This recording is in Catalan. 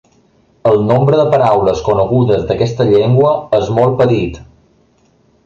El nombre de paraules conegudes d'aquesta llengua és molt petit.